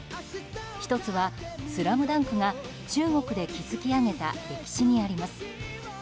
１つは「ＳＬＡＭＤＵＮＫ」が中国で築き上げた歴史にあります。